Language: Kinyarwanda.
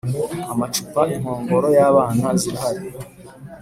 Amacupa inkongoro y abana zirahari